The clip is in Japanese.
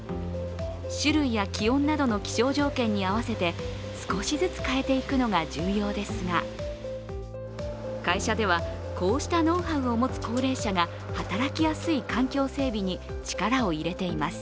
種類や気温などの気象条件に合わせて少しずつ変えていくのが重要ですが、会社ではこうしたノウハウを持つ高齢者が働きやすい環境整備に力を入れています。